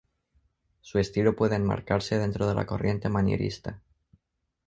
Su estilo puede enmarcarse dentro de la corriente manierista.